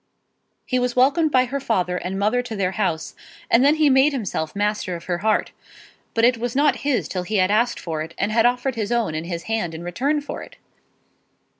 He was welcomed by her father and mother to their house, and then he made himself master of her heart. But it was not his till he had asked for it, and had offered his own and his hand in return for it.